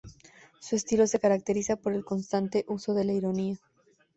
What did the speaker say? Su estilo se caracteriza por el constante uso de la ironía.